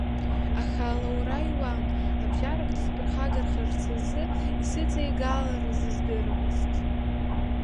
Аха алаура иуан, абжьарак, дысԥырхагахарц азы исыҵеигаларыз издырамызт.